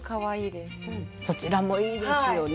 そちらもいいですよね。